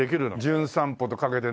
『じゅん散歩』とかけて。